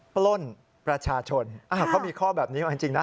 ปล้นประชาชนเขามีข้อแบบนี้เอาจริงนะ